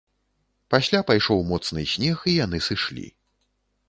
Пасля пайшоў моцны снег і яны сышлі.